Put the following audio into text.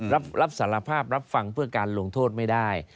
รับสารภาพรับฟังเพื่อการลงโทษไม่ได้